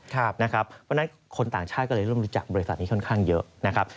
เพราะฉะนั้นคนต่างชาติก็เลยเริ่มรู้จักบริษัทนี้ค่อนข้างเยอะนะครับ